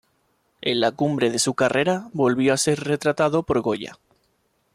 En la cumbre de su carrera volvió a ser retratado por Goya.